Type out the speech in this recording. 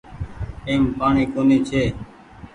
ايم پآڻيٚ ڪونيٚ ڇي۔